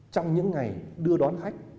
trong những ngày đưa đón khách